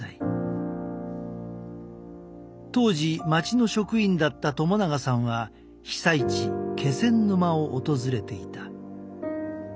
当時町の職員だった友永さんは被災地気仙沼を訪れていた。